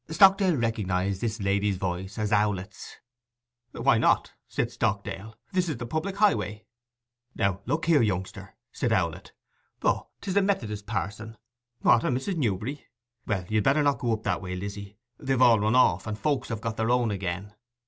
Stockdale recognized this lady's voice as Owlett's. 'Why not?' said Stockdale. 'This is the public highway.' 'Now look here, youngster,' said Owlett. 'O, 'tis the Methodist parson!—what, and Mrs. Newberry! Well, you'd better not go up that way, Lizzy. They've all run off, and folks have got their own again.